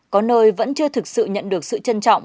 có nơi vẫn chưa thực sự nhận được sự trân trọng